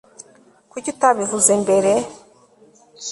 kuki utabivuze mbere